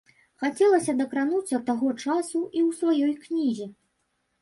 Хацелася дакрануцца таго часу і ў сваёй кнізе.